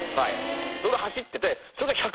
それで走ってて。